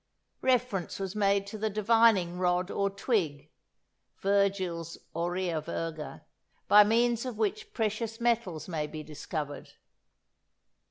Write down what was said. Reference was made to the divining rod or twig (Virgil's "Aurea virga"), by means of which precious metals may be discovered.